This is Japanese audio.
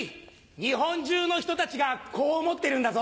日本中の人たちがこう思ってるんだぞ。